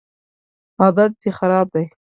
عادت دي خراب دی